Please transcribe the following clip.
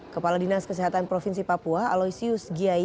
kepala dinas kesehatan provinsi papua aloysius giai